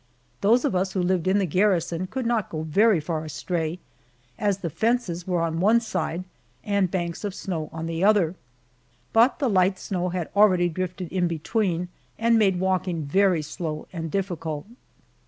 Those of us who lived in the garrison could not go very far astray, as the fences were on one side and banks of snow on the other, but the light snow had already drifted in between and made walking very slow and difficult.